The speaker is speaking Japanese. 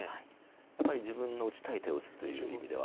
やっぱり自分の打ちたい手を打つという意味では。